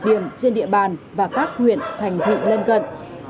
một mươi một điểm trên địa bàn và các nguyện thành vị lân cận